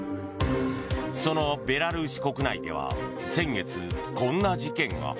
そのベラルーシ国内では先月、こんな事件が。